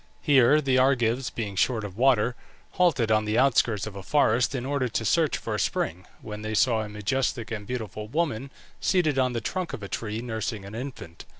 Here the Argives, being short of water, halted on the outskirts of a forest in order to search for a spring, when they saw a majestic and beautiful woman seated on the trunk of a tree, nursing an infant.